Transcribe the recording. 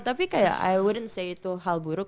tapi kayak i wouldn't say itu hal buruk